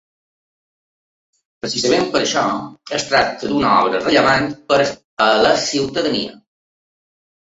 Precisament per això, es tracta d’una obra rellevant per a la ciutadania.